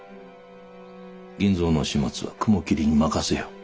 銀蔵の始末は雲霧に任せよう。